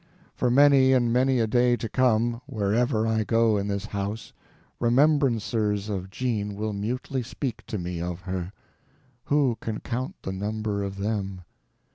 For many and many a day to come, wherever I go in this house, remembrancers of Jean will mutely speak to me of her. Who can count the number of them?